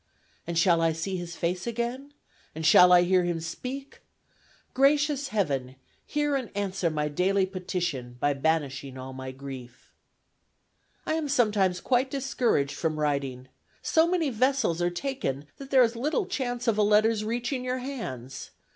And shall I see his face again? And shall I hear him speak "Gracious Heaven! hear and answer my daily petition, by banishing all my grief. "I am sometimes quite discouraged from writing. So many vessels are taken that there is little chance of a letter's reaching your hands.